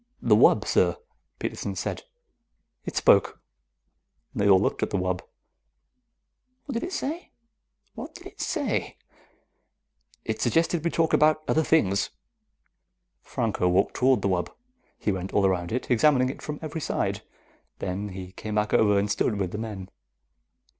"The wub, sir," Peterson said. "It spoke." They all looked at the wub. "What did it say? What did it say?" "It suggested we talk about other things." Franco walked toward the wub. He went all around it, examining it from every side. Then he came back over and stood with the men.